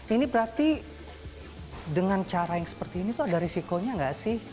ini berarti dengan cara yang seperti ini tuh ada risikonya gak sih